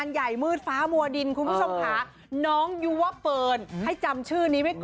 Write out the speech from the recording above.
ไหนจำชื่อนี้ไว้ต่อ